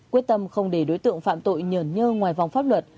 quyết tâm không để đối tượng phạm tội nhờn nhơ ngoài vòng pháp luật